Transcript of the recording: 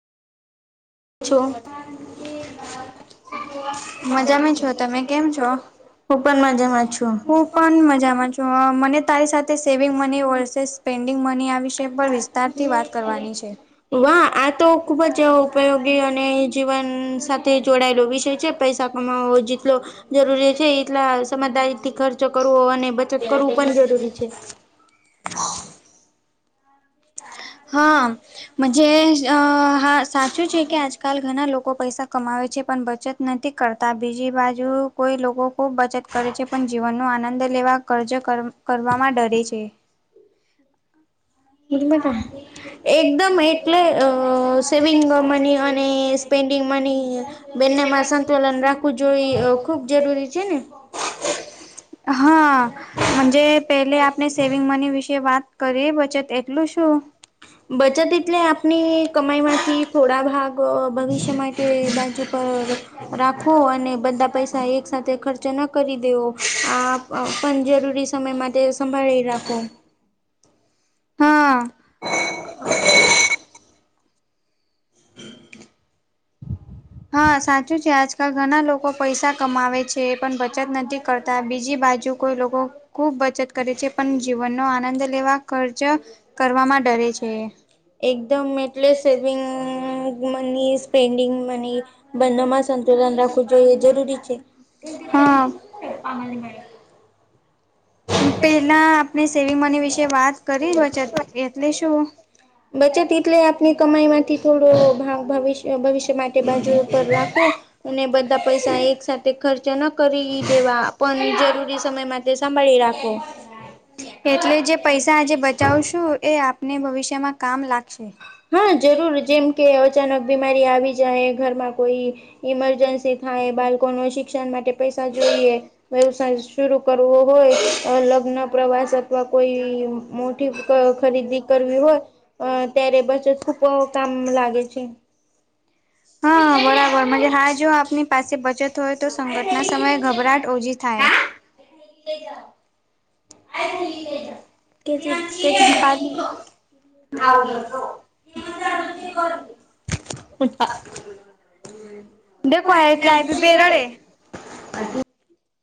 છો મજામાં છો તમે કેમ છો? [inaudible] હું પણ મજામાં છું મને તારી સાથે saving money versus pending money આ વિસય પર વિસ્તારથી વાત કરવાની છે. વા આ તો ખુબ જ ઉપયોગી અને જીવન સાથે જોડાયેલો વિષય છે. પૈસા કમાવા જેટલો જરૂરી છે એટલા સમજદારીથી ખર્ચો કરવો અને બ ચત કરવું પણ જરૂરી છે. હા મજે આ સાચું છે કે આજકાલ ઘણા લોકો પૈસા કમાવે છે પણ બચત નથી કરતા બીજી બાજુ કોઈ લોકો ખૂબ બચત કરે છે પણ જીવનનો આનંદ લેવા કર્જ કરવામાં ડરે છે એકદમ એટલે અ સેવિંગ મની અને પેન્ડિંગ મની બન્નેમાં સંતુલન રાખવું જોએ ખુબ જરૂરી છે ને [inaudible] હા જે પેલે આપને સેવિંગ મની વિશે વાત કરીએ બચત એટલું શું? બચત એટલે આપ પની કમાઈમાંથી થોડા ભાગ ભવિષ્ય માટે બાજુ રાખવો અને બધા પૈસા એક સાથે ખર્ચ ના કરી દેવો આ પણ જરૂરી સમય માટે સંભાળી રાખો હા [inaudible] હા સાચું છે આજકાલ ઘણા લોકો પૈસા કમાવે છે છે પણ બચત નથી કરતા બીજી બાજુ કોઈ લોકો ખૂબ બચત કરે છે પણ જીવનનો આનંદ લેવા ખર્ચા કરવામાં ડરે છે. એકદમ એટલે સેવિંગ મની એ સ પેન્ડિંગ મની બંનેમાં સંતુલન રાખવું એ જરૂરી છે. હા પેલા આપણે સેવિંગ મની વિશે વાત કરી રહ્યો છે એટલે શું બચત એટલે આપની કમાઈ થી. થોડું ભવ્ય ભવિષ્ય માટે બાજુ પર રાખો અને બધા પૈસા એક સાથે ખર્ચ ન કરી દેવા પણ જરૂરી સમયમાં તે સાંભળી રાખો એટલે જે પૈસા આજે બચાવશું એ આપને ભવિષ્યમાં કામ લાગશે. હા જરૂર જેમ કે અચાનક બીમારી આવી જાય ઘરમાં કોઈ ઇમરજન્સી થાય બાળકો ન શિક્ષણ માટે પૈસા જોઈએ વ્યવસાય શર કરવો હોય ઓર લગ્ન પ્રવાસ અથવા કોઈ મોટી ખરીદી કરવી હોય. થુપ કામ લાગે છે. હા બરાબર હા જો આપની પાસે બચત હોય, તો સંગટના સમયે ગભરાટ ઓછી થાય. એ ગ આયવુ [inaudible] દે કો એટલે એ ભી બેરડે